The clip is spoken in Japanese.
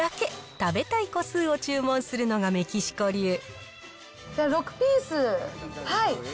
食べたい個数を注文するのがメキ６ピース。